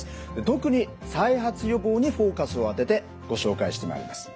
特に再発予防にフォーカスを当ててご紹介してまいります。